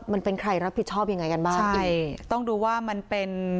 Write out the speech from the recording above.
มันเป็นใครรับผิดชอบยังไงกันบ้างใช่ต้องดูว่ามันเป็น